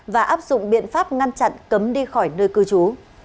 và áp dụng biện pháp ngăn chặn cấm đi khỏi nơi cư trú